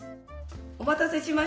お待たせしました